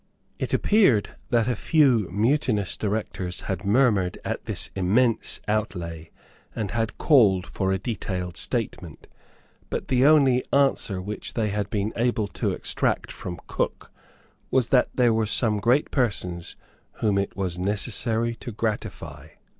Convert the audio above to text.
It appeared that a few mutinous directors had murmured at this immense outlay, and had called for a detailed statement. But the only answer which they had been able to extract from Cook was that there were some great persons whom it was necessary to gratify.